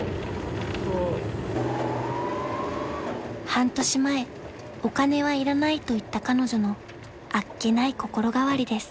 ［半年前お金はいらないと言った彼女のあっけない心変わりです］